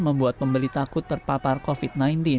membuat pembeli takut terpapar covid sembilan belas